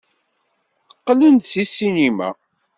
Qqlen-d seg ssinima.